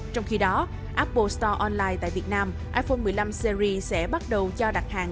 trong khi đó apple store online tại việt nam iphone một mươi năm series sẽ bắt đầu cho đặt hàng